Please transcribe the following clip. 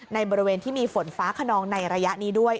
ในบริเวณที่มีฝนฟ้าขนองในระยะนี้ด้วย